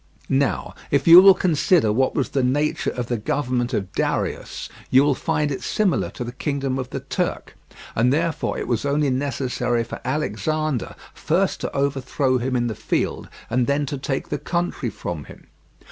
Now if you will consider what was the nature of the government of Darius, you will find it similar to the kingdom of the Turk, and therefore it was only necessary for Alexander, first to overthrow him in the field, and then to take the country from him.